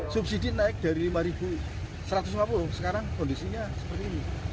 subsidi naik dari lima satu ratus lima puluh sekarang kondisinya seperti ini